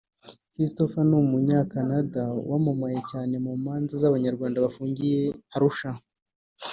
Christopher ni Umunyakanada wamamaye cyane mu manza z’Abanyarwanda bafungiye Arusha